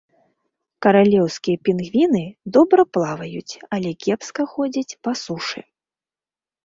Каралеўскія пінгвіны добра плаваюць, але кепска ходзяць па сушы.